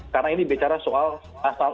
karena ini bicara soal asal